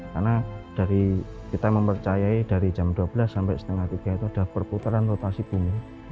karena kita mempercayai dari jam dua belas sampai setengah tiga itu ada perputaran rotasi bumi